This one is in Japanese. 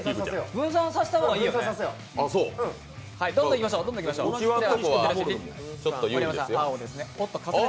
分散させた方がいいよね。